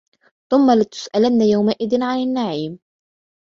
ثُمَّ لَتُسْأَلُنَّ يَوْمَئِذٍ عَنِ النَّعِيمِ